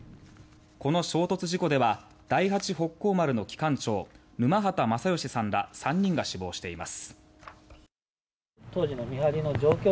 この衝突事故では「第八北幸丸」の機関長沼端賢良さんら３人が死亡しています。